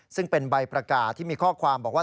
ซึ่งเป็นใบประกาศที่มีข้อความบอกว่า